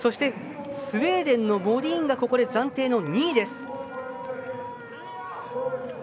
スウェーデンモディーンがここで暫定の２位です。